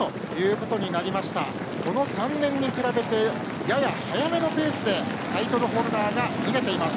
この３年に比べてやや早めのペースでタイトルホルダーが逃げています。